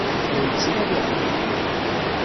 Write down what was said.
La yettnadi axeddim.